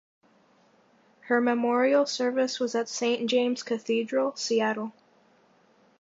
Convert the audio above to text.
Her memorial service was at Saint James Cathedral, Seattle.